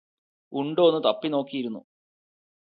ഉണ്ടോന്ന് തപ്പിനോക്കിയിരുന്നു